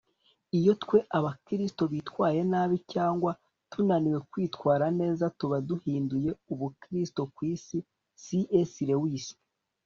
iyo twe abakristo bitwaye nabi, cyangwa tunaniwe kwitwara neza, tuba duhinduye ubukristo ku isi - c s lewis